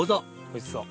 おいしそう。